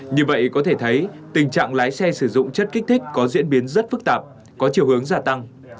như vậy có thể thấy tình trạng lái xe sử dụng chất kích thích có diễn biến rất phức tạp có chiều hướng gia tăng